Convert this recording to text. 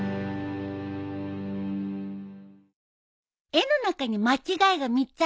絵の中に間違いが３つあるよ。